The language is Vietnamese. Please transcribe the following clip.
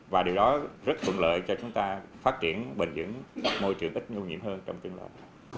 và điều đó rất phụng lợi cho chúng ta phát triển bền dưỡng môi trường ít ngu nhiễm hơn trong tương lai